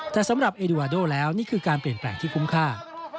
แต่สำหรับเอดูวาโดแล้วนี่คือการเปลี่ยนแปลงที่คุ้มค่า